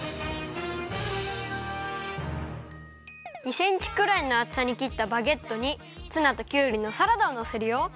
２センチくらいのあつさにきったバゲットにツナときゅうりのサラダをのせるよ。